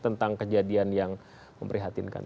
tentang kejadian yang memprihatinkan